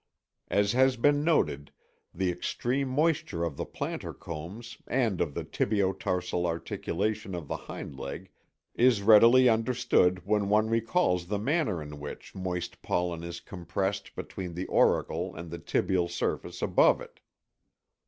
As has been noted, the extreme moisture of the plantar combs and of the tibio tarsal articulation of the hind leg is readily understood when one recalls the manner in which moist pollen is compressed between the auricle and the tibial surface above it.